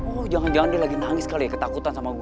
oh jangan jangan dia lagi nangis kali ya ketakutan sama gue